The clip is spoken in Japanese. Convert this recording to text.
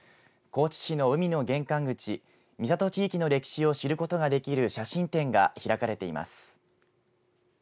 高知市の海の玄関口三里地域の歴史を知ることができる写真展が開かれています。